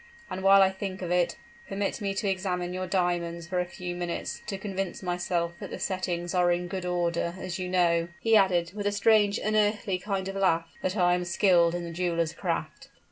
And while I think of it, permit me to examine your diamonds for a few minutes to convince myself that the settings are in good order, as you know," he added, with a strange, unearthly kind of laugh, "that I am skilled in the jewelers' craft."